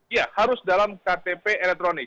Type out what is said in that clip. iya harus dalam ktp elektronik